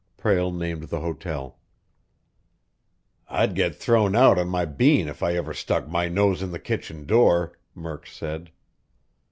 Prale named the hotel. "I'd get thrown out on my bean if I ever stuck my nose in the kitchen door," Murk said.